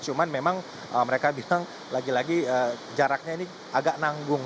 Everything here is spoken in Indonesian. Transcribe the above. cuman memang mereka bilang lagi lagi jaraknya ini agak nanggung